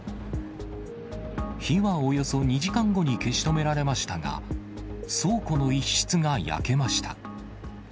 火はおよそ２時間後に消し止められましたが、倉庫の一室が焼けました。